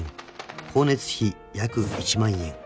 ［光熱費約１万円］